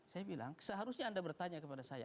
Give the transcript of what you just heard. saya bilang seharusnya anda bertanya kepada saya